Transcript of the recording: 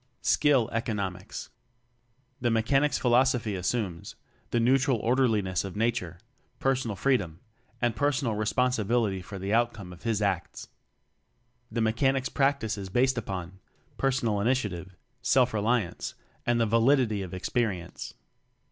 Skill Economics. The Mechanic's philosophy as sumes: the neutral orderliness of Nature; personal freedom; and per sonal responsibility for the outcome of his acts. The Mechanic's practice is based upon: personal initiative; self reli ance; and the validity of experience.